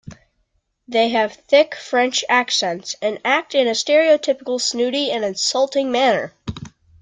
They have thick French accents and act in a stereotypical snooty and insulting manner.